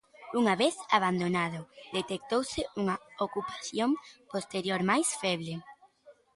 Unha vez abandonado, detectouse unha ocupación posterior, máis feble.